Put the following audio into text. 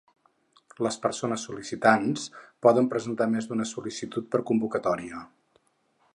Les persones sol·licitants poden presentar més d'una sol·licitud per convocatòria.